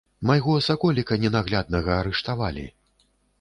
Майго саколіка ненагляднага арыштавалі.